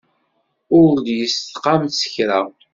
Ur d-yestqam s kra.